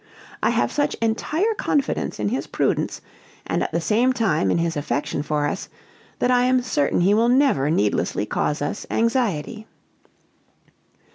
I have such entire confidence in his prudence, and at the same time in his affection for us, that I am certain he will never needlessly cause us anxiety."